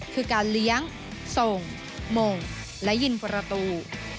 คือการเลี้ยงส่งมงและยินประตู